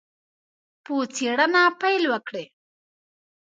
په څېړنه پیل وکړي.